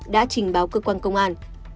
đã trình báo cơ quan công an